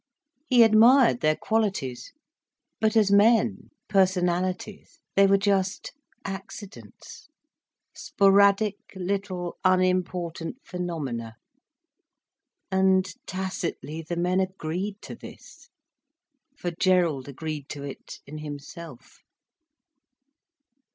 He admired their qualities. But as men, personalities, they were just accidents, sporadic little unimportant phenomena. And tacitly, the men agreed to this. For Gerald agreed to it in himself.